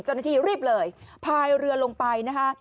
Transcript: จนทีรีบเลยพายเรือลงไปนะฮะ